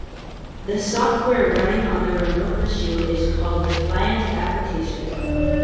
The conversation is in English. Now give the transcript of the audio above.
The software running on the remote machine is called the client application.